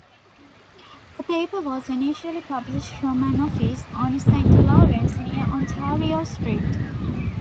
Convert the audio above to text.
The paper was initially published from an office on Saint Lawrence near Ontario Street.